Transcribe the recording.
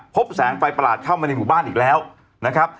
แสงไฟประหลาดเข้ามาในหมู่บ้านอีกแล้วนะครับ